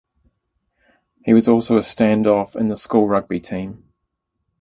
He was also a stand-off in the school rugby team.